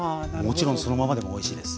もちろんそのままでもおいしいです。